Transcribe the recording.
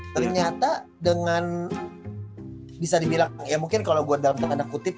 ternyata dengan bisa dibilang ya mungkin kalau buat dalam tanda kutip